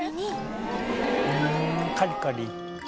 「ふんカリカリ」